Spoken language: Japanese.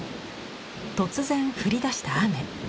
突然降りだした雨。